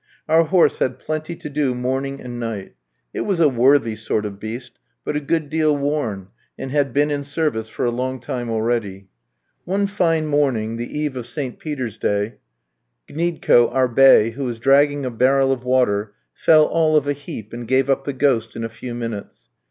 Our horse had plenty to do morning and night; it was a worthy sort of beast, but a good deal worn, and had been in service for a long time already. One fine morning, the eve of St. Peter's Day, Gniedko, our bay, who was dragging a barrel of water, fell all of a heap, and gave up the ghost in a few minutes.